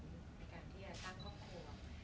ในการที่จะสร้างครอบครัว